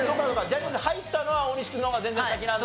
ジャニーズ入ったのは大西君の方が全然先なんだ。